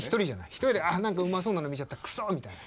１人で「あ何かうまそうなの見ちゃったくそ」みたいな。